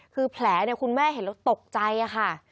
คือแผลคุณแม่เห็นแล้วตกใจค่ะ